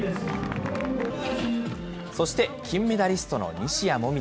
そして、金メダリストの西矢椛。